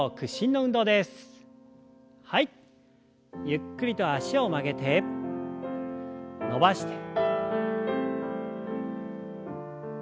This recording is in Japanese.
ゆっくりと脚を曲げて伸ばして。